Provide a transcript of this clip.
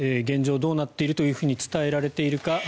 現状どうなっていると伝えられているか。